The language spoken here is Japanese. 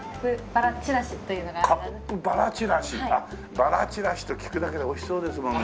ばらちらしと聞くだけでおいしそうですもんね。